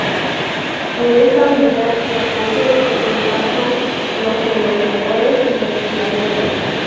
En esta Unidad de Apoyo se enmarcan los negociadores y los tiradores.